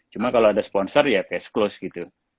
cuma kalau ada sponsor ya cash close gitu